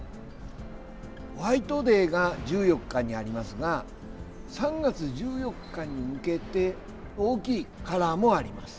ホワイトデーが１４日にありますが３月１４日に向けて大きいカラーもあります。